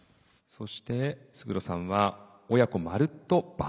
そして勝呂さんは「親子まるっと伴走支援」。